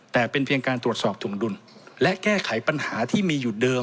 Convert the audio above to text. แต่เป็นเพียงการตรวจสอบถุงดุลและแก้ไขปัญหาที่มีอยู่เดิม